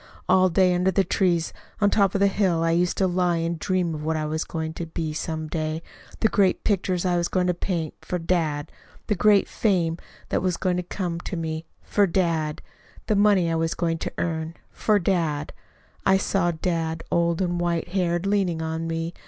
All day under the trees up on the hill, I used to lie and dream of what I was going to be some day the great pictures I was going to paint for dad. The great fame that was going to come to me for dad. The money I was going to earn for dad: I saw dad, old and white haired, leaning on me.